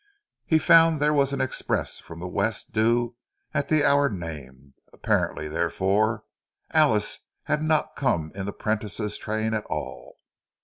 He found there was an express from the West due at the hour named; apparently, therefore, Alice had not come in the Prentice's train at all.